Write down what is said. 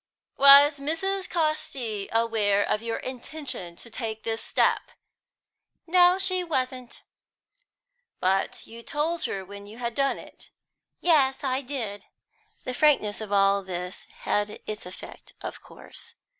"Was Mrs. Casti aware of your intention to take this step?" "No, she wasn't." "But you told her when you had done it?" "Yes, I did." The frankness of all this had its effect, of course.